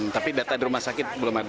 tapi data di rumah sakit belum ada